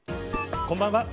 こんばんは。